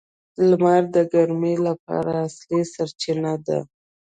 • لمر د ګرمۍ لپاره اصلي سرچینه ده.